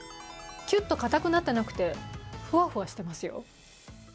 キュッと固くなってなくて、ふわふわしてますよ。